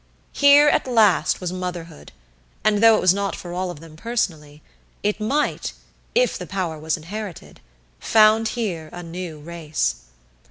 Here at last was Motherhood, and though it was not for all of them personally, it might if the power was inherited found here a new race.